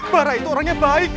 barah itu orangnya baik